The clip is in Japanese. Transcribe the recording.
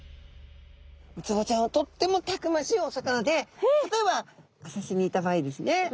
ウツボちゃんはとってもたくましいお魚で例えば浅瀬にいた場合ですね